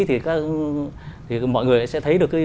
thì mọi người sẽ thấy được